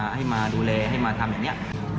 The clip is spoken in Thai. ให้มาดูแลให้มาทำอย่างนี้